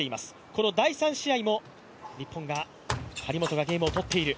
この第３試合も日本が、張本がゲームを取っている。